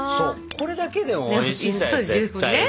これだけでもおいしいんだよ絶対に！